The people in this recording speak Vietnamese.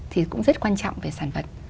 thì cũng rất quan trọng về sản vật